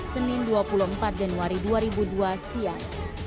senin dua puluh empat januari dua ribu dua siang